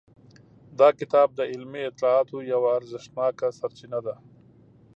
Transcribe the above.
دا کتاب د علمي اطلاعاتو یوه ارزښتناکه سرچینه ده.